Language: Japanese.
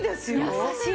優しい。